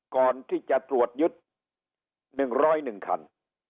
ก่อนที่จะตรวจยึด๑๐๑คัน